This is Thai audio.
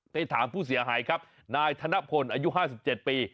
ไปถามผู้เสียหายครับนายธนพลอายุ๕๗ปี